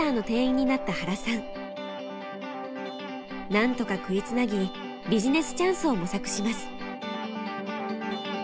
なんとか食いつなぎビジネスチャンスを模索します。